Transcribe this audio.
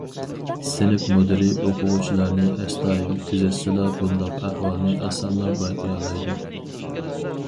سىنىپ مۇدىرى ئوقۇغۇچىلارنى ئەستايىدىل كۆزەتسىلا، بۇنداق ئەھۋالنى ئاسانلا بايقىيالايدۇ.